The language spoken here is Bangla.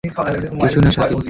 কিছু না স্বাতী।